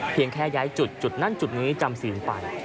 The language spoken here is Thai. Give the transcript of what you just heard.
เพียงแค่ย้ายจุดและจุดนั้นจุดนี้จำศีลไป